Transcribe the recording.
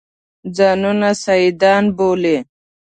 ځانونه سیدان بولي.